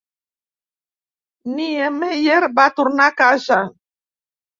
Niemeyer va tornar a casa.